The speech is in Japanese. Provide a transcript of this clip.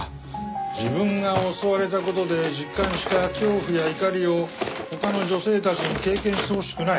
自分が襲われた事で実感した恐怖や怒りを他の女性たちに経験してほしくない。